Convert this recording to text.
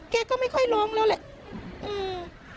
แกก็ไม่ค่อยลงแล้วเลยอืมแต่บางครั้งวันเท่าอะไรก็เหมือน